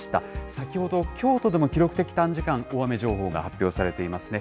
先ほど、京都でも記録的短時間大雨情報が発表されていますね。